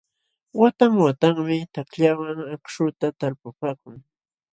Watan watanmi takllawan akśhuta talpupaakuu.